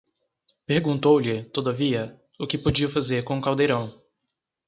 Perguntou-lhe, todavia, o que podia fazer com o caldeirão